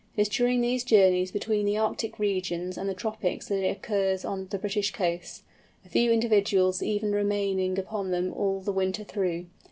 It is during these journeys between the Arctic regions and the tropics that it occurs on the British coasts, a few individuals even remaining upon them all the winter through.